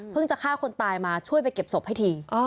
เพิ่งจะฆ่าคนตายมาช่วยไปเก็บศพให้ทิ้ง